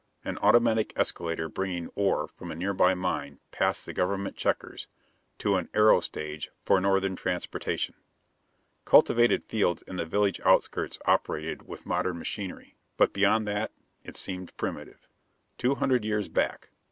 An automatic escalator bringing ore from a nearby mine past the government checkers to an aero stage for northern transportation. Cultivated fields in the village outskirts operated with modern machinery. But beyond that, it seemed primitive. Two hundred years back.